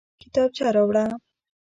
کتابچه راوړه